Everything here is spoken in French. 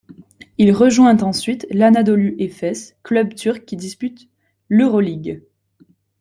Il rejoint ensuite l'Anadolu Efes, club turc qui dispute l'Euroligue.